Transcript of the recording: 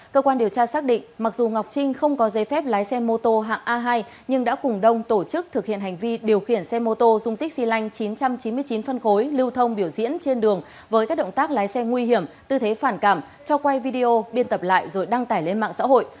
cơ quan điều tra xác định mặc dù ngọc trinh không có giấy phép lái xe mô tô hạng a hai nhưng đã cùng đông tổ chức thực hiện hành vi điều khiển xe mô tô dung tích xy lanh chín trăm chín mươi chín phân khối lưu thông biểu diễn trên đường với các động tác lái xe nguy hiểm tư thế phản cảm cho quay video biên tập lại rồi đăng tải lên mạng xã hội